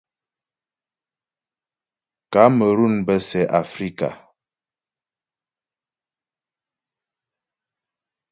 Kamerun bə́ sɛ Afrika.